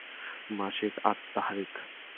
মাসিক আত-তাহরীক